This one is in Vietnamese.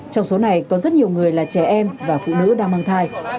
trong số này có rất nhiều người là trẻ em và phụ nữ đang mang thai